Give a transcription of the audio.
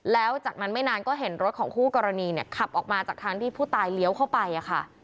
แล้วจากนั้นไม่นานก็เห็นรถของคู่กรณีเนี่ยขับออกมาจากทางที่ผู้ตายเลี้ยวเข้าไปค่ะ